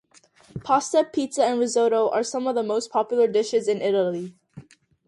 Pasta, pizza, and risotto are some of the most popular dishes in Italy.